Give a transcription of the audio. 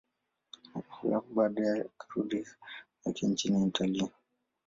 Halafu baadaye akarudi zake nchini Italia.